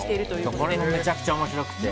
これもめちゃくちゃ面白くて。